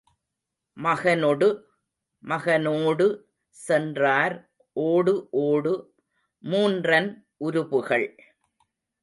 மகனொடு மகனோடு சென்றார் ஓடு, ஓடு மூன்றன் உருபுகள்.